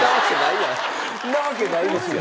そんなわけないですよ。